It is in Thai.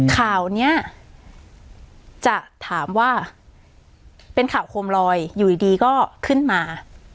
ข่าวนี้จะถามว่าเป็นข่าวโคมลอยอยู่ดีก็ขึ้นมา